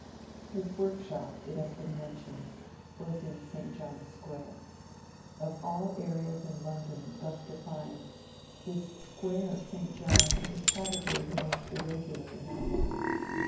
His workshop, it has been mentioned, was in St. John's Square. Of all areas in London thus defined, this Square of St. John is probably the most irregular in outline.